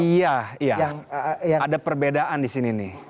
iya iya ada perbedaan di sini nih